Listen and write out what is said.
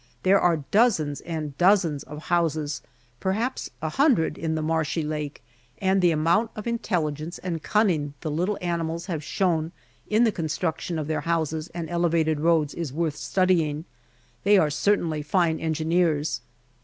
There are dozens and dozens of houses perhaps a hundred in the marshy lake, and the amount of intelligence and cunning the little animals have shown in the construction of their houses and elevated roads is worth studying. They are certainly fine engineers.